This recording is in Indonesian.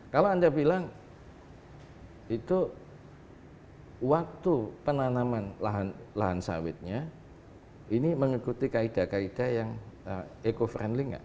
kalau anda bilang itu waktu penanaman lahan sawitnya ini mengikuti kaedah kaedah yang eco friendly nggak